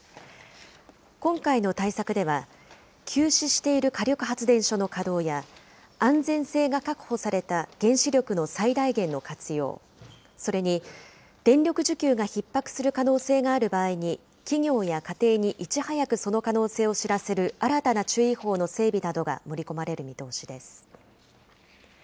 今回の対策では、休止している火力発電所の稼働や、安全性が確保された原子力の最大限の活用、それに、電力需給がひっ迫する可能性がある場合に、企業や家庭にいち早くその可能性を知らせる新たな注意報の整備などが盛り込まれる見通しです。